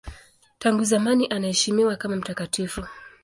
Tangu zamani anaheshimiwa kama mtakatifu.